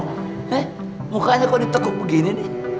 eh mukanya kok di teguk begini nih